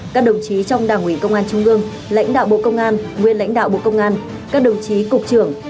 các đồng chí trong đảng ủy công an trung ương lãnh đạo bộ công an nguyên lãnh đạo bộ công an các đồng chí cục trưởng